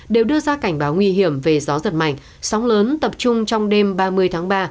đều đưa ra cảnh báo nguy hiểm về gió giật mạnh sóng lớn tập trung trong đêm ba mươi tháng ba